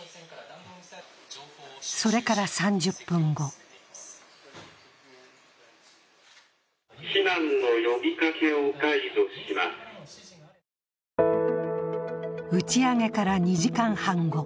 それから３０分後打ち上げから２時間半後。